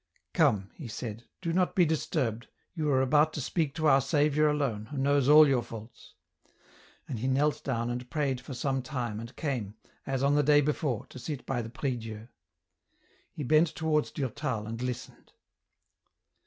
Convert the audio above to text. " Come," he said, " do not be disturbed, you are about to speak to our Saviour alone, who knows all your faults." And he knelt down and prayed for some time and came, as on the day before, to sit by the prie Dieu ; he bent towards Durtal and listened.